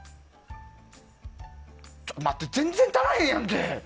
待って、全然足りへんやんけ！